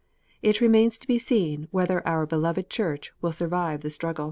It remains to be seen whether our beloved Church will survive the struggle.